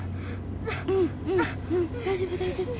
大丈夫大丈夫。